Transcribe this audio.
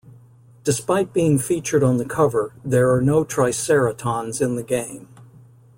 Despite being featured on the cover, there are no Triceratons in the game.